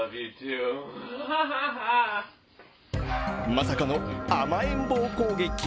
まさかの甘えん坊攻撃。